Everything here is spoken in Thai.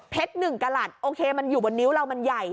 หนึ่งกระหลัดโอเคมันอยู่บนนิ้วเรามันใหญ่